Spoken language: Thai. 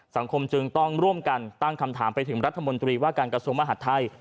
สังคมจึงต้องร่วมกันตั้งคำถามไปถึงรัฐมนตรีว่าการกระทรวงมหาดไทย